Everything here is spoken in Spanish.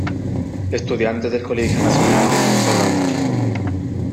Estudiante del Colegio Nacional de Monserrat.